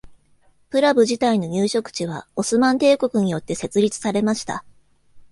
プラヴ自体の入植地はオスマン帝国によって設立されました。